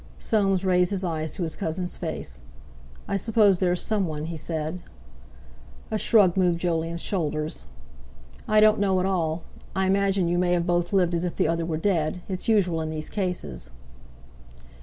Soames raised his eyes to his cousin's face. "I suppose there's someone," he said. A shrug moved Jolyon's shoulders. "I don't know at all. I imagine you may have both lived as if the other were dead. It's usual in these cases."